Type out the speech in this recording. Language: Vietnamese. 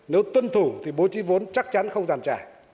nếu tuân thủ thì bố trí vốn chắc chắn không giàn trải